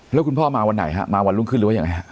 แล้วคุณพ่อมาวันไหนฮะมาวันรุ่งขึ้นหรือว่ายังไงฮะ